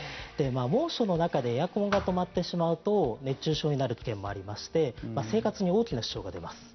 猛暑の中でエアコンが止まってしまうと熱中症になる危険もありまして生活に大きな支障が出ます。